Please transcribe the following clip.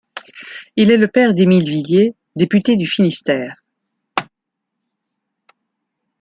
Il est le père d’Émile Villiers, député du Finistère.